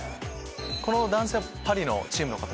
この男性はパリのチームの方？